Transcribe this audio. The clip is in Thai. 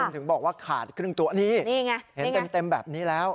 ถึงบอกว่าขาดครึ่งตัวนี่ไงเห็นเต็มแบบนี้แล้ว